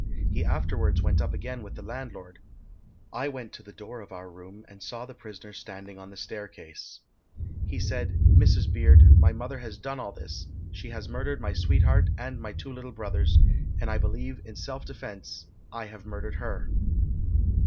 He afterwards went up again with the landlord. I went to the door of our room and saw the prisoner standing on the staircase. He said, Mrs. Beard, my mother has done all this. She has murdered my sweetheart and my two little brothers, and I believe in self defence I have murdered her."